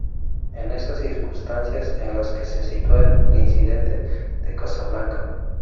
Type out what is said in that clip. Es en esas circunstancias en las que se sitúa el incidente de Casa Blanca.